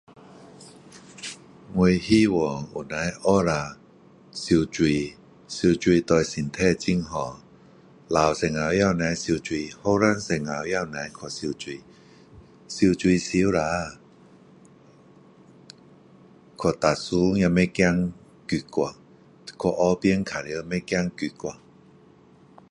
我希望有能够学了游泳游泳对身体很好老时候也能游泳年轻时候也能去游泳游泳游下去搭船也不怕溺去去河边完不怕溺去